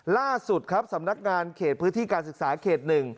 ล่าสุดครับสำนักงานเขตพื้นที่การศึกษาเขต๑